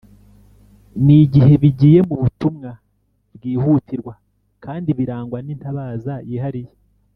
nigihe bigiye mubutumwa bwihutirwa kdi birangwa n’intabaza yihariye